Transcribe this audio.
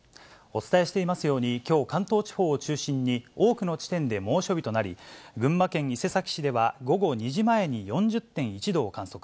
お伝えしていますように、きょう、関東地方を中心に、多くの地点で猛暑日となり、群馬県伊勢崎市では午後２時前に４０．１度を観測。